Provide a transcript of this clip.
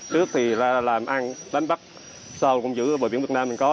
trước thì là làm ăn đánh bắt sau cũng giữ bờ biển việt nam mình có